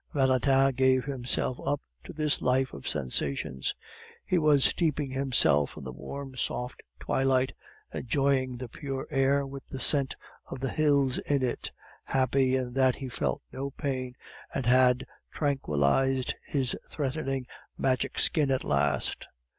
Valentin gave himself up to this life of sensations; he was steeping himself in the warm, soft twilight, enjoying the pure air with the scent of the hills in it, happy in that he felt no pain, and had tranquilized his threatening Magic Skin at last.